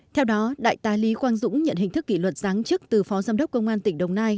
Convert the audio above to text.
theo đó đại tá lý quang dũng nhận hình thức kỷ luật giáng chức từ phó giám đốc công an tỉnh đồng nai